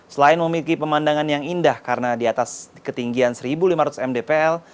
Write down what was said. selain memiliki pemandangan yang indah karena di atas ketinggian satu lima ratus mdpl